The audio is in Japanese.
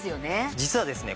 実はですね